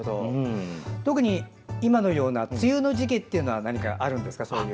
特に今のような梅雨の時期というのは何かあるんですか？